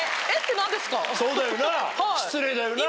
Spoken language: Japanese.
そうだよな失礼だよな。